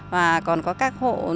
và còn có các hội trợ